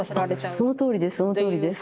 そのとおりです。